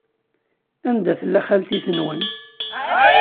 Anda tella xalti-twent?